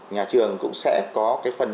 nhà trường cũng sẽ có cái phần